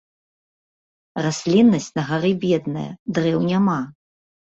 Расліннасць на гары бедная, дрэў няма.